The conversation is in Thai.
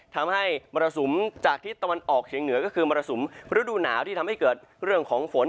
ทำให้มรสุมจากทิศตะวันออกเฉียงเหนือก็คือมรสุมฤดูหนาวที่ทำให้เกิดเรื่องของฝน